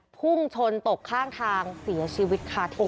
พุ่งชนตกข้างทางเสียชีวิตคาที่